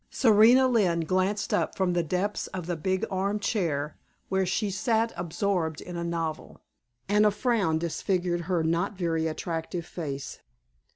Serena Lynne glanced up from the depths of the big arm chair where she sat absorbed in a novel, and a frown disfigured her not very attractive face.